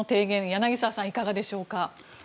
柳澤さん、いかがでしょう？